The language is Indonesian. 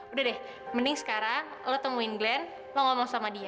udah deh mending sekarang lo temuin glenn lo ngomong sama dia